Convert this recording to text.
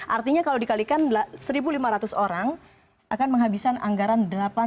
artinya kalau dikalikan satu lima ratus orang akan menghabiskan anggaran